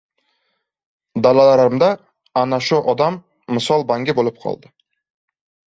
Dalalarim-da ana shu odam misol bangi bo‘lib qoldi.